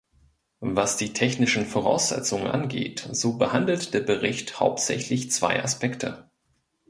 Was die technischen Voraussetzungen angeht, so behandelt der Bericht hauptsächlich zwei Aspekte.